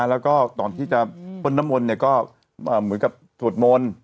แล้วก็ตอนที่จะเพิ่มด้านมลเนี่ยเหมือนถูกหลวดมนต์